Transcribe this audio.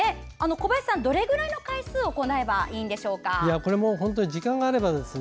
小林さん、どれぐらいの回数行えばいいんでしょうか。